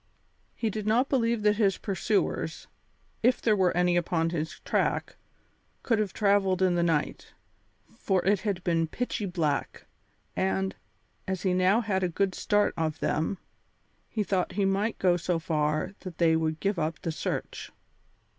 He did not believe that his pursuers, if there were any upon his track, could have travelled in the night, for it had been pitchy black; and, as he now had a good start of them, he thought he might go so far that they would give up the search.